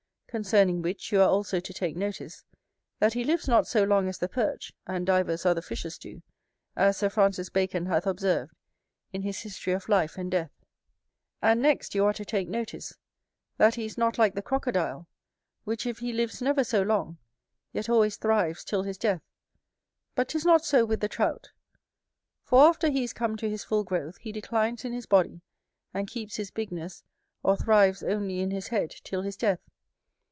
Concerning which, you are also to take notice, that he lives not so long as the Pearch, and divers other fishes do, as Sir Francis Bacon hath observed in his History of Life and Death. And next you are to take notice, that he is not like the Crocodile, which if he lives never so long, yet always thrives till his death: but 'tis not so with the Trout; for after he is come to his full growth, he declines in his body, and keeps his bigness, or thrives only in his head till his death.